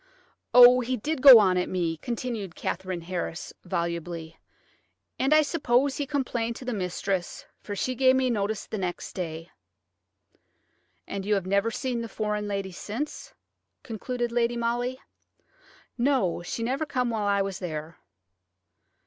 Oh, he did go on at me!" continued Katherine Harris, volubly. "And I suppose he complained to the mistress, for she give me notice the next day." "And you have never seen the foreign lady since?" concluded Lady Molly. "No; she never come while I was there."